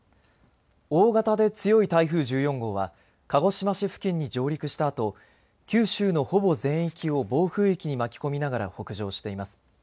大型で強い台風１４号は鹿児島市付近に上陸したあと九州のほぼ全域を暴風域に巻き込みながら北上しています。